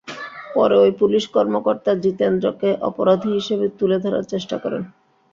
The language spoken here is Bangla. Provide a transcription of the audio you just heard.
পরে ওই পুলিশ কর্মকর্তা জিতেন্দ্রকে অপরাধী হিসেবে তুলে ধরার চেষ্টা করেন।